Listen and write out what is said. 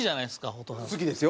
蛍原：好きですよ。